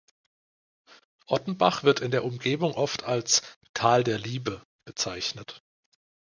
Ottenbach wird in der Umgebung oft als "Tal der Liebe" bezeichnet.